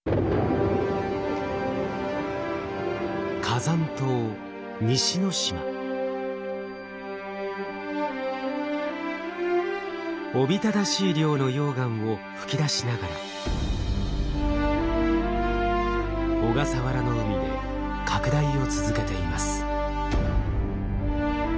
火山島おびただしい量の溶岩を噴き出しながら小笠原の海で拡大を続けています。